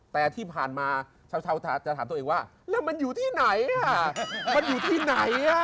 แต่ที่ผ่านมาชาวจะถามตัวเองว่าแล้วมันอยู่ที่ไหนอ่ะ